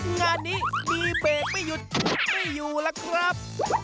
งานนี้มีเบรกไม่หยุดไม่อยู่ล่ะครับ